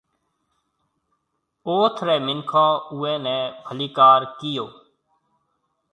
اوٿ رَي مِنکون اُوئي نَي ڀليڪار ڪئيو۔